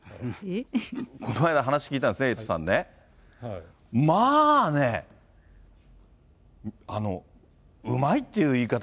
この間、話聞いたんですね、エイトさんね、まあね、うまいっていう言い方